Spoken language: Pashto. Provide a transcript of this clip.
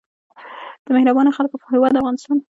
د مهربانو خلکو هیواد افغانستان.